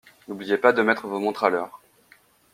N'oubliez pas de mettre vos montres à l'heure.